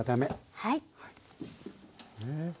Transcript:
はい。